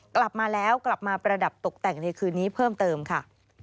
กลับมาแล้วกลับมาประดับตกแต่งในคืนนี้เพิ่มเติมค่ะ